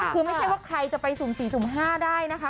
คือไม่ใช่ว่าใครจะไปสูง๔๕ได้นะคะ